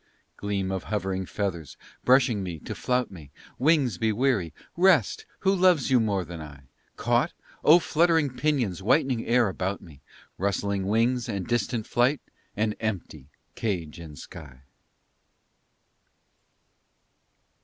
Gleam of hovering feathers, brushing me to flout me! Wings, be weary! Rest! Who loves you more than I? Caught? Oh fluttering pinions whitening air about me! Rustling wings, and distant flight, and empty cage and sky!